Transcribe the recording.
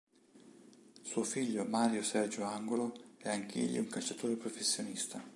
Suo figlio Mario Sergio Angulo è anch'egli un calciatore professionista.